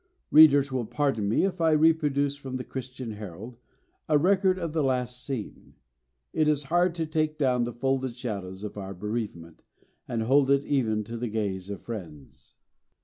Readers will pardon me if I reproduce from The Christian Herald a record of the last scene. It is hard "to take down the folded shadows of our bereavement" and hold it even to the gaze of friends.